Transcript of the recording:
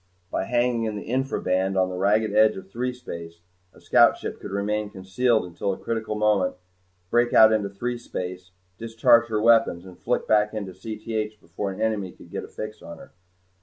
By hanging in the infra band, on the ragged edge of threespace, a scout ship could remain concealed until a critical moment, breakout into threespace discharge her weapons and flick back into Cth before an enemy could get a fix on her.